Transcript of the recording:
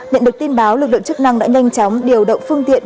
nhận được tin báo lực lượng chức năng đã nhanh chóng điều động phương tiện